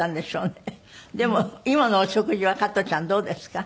でも今のお食事は加トちゃんどうですか？